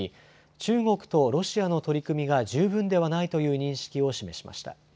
中国とロシアの取り組みが十分ではないという認識を示しました。